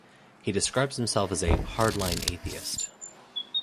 He describes himself as a "hard-line atheist".